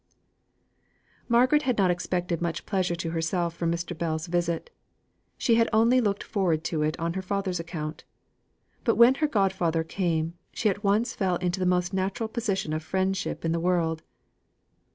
Margaret had not expected much pleasure to herself from Mr. Bell's visit she had only looked forward to it on her father's account, but when her godfather came, she at once fell into the most natural position of friendship in the world.